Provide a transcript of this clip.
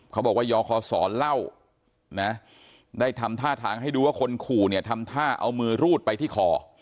บอกว่ายอคศเล่านะได้ทำท่าทางให้ดูว่าคนขู่เนี่ยทำท่าเอามือรูดไปที่คอ